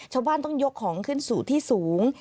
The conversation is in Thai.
ชาวบ้านต้องยกของขึ้นสู่ที่สูง